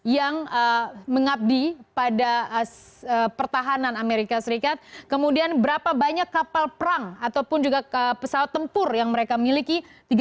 yang mengabdi pada pertahanan amerika serikat kemudian berapa banyak kapal perang ataupun juga pesawat tempur yang mereka miliki